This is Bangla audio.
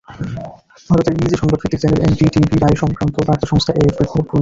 ভারতের ইংরেজি সংবাদভিত্তিক চ্যানেল এনডিটিভি রায়-সংক্রান্ত বার্তা সংস্থা এএফপির খবর পরিবেশন করে।